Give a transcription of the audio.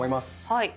はい。